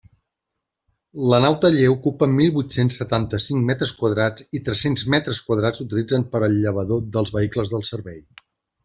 La nau-taller ocupa mil huit-cents setanta-cinc metres quadrats i tres-cents metres quadrats s'utilitzen per al llavador dels vehicles del servei.